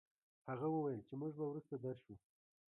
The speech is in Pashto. هغه وويل چې موږ به وروسته درشو.